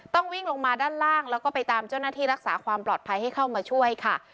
วิ่งลงมาด้านล่างแล้วก็ไปตามเจ้าหน้าที่รักษาความปลอดภัยให้เข้ามาช่วยค่ะ